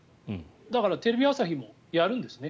だからテレビ朝日もやるんですね。